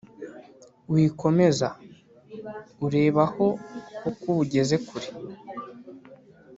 Wikomeza urebaho kuko ubu ugeze kure